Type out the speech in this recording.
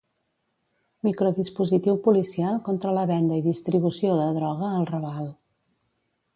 Microdispositiu policial contra la venda i distribució de droga al Raval.